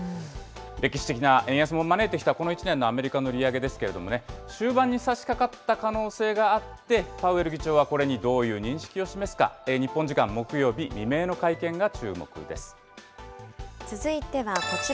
歴史的な円安も招いてきたこの１年のアメリカの利上げですけれども、終盤にさしかかった可能性があって、パウエル議長はこれにどういう認識を示すか、日本時間木曜日未明の会続いてはこちら。